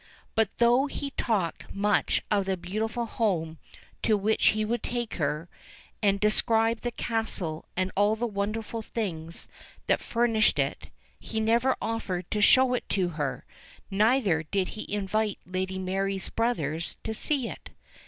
But though he talked much of the beautiful home to which he would take her, and de scribed the castle and all the wonderful things that furnished it, he never offered to show it to her, neither did he invite Lady Mary's brothers to see it.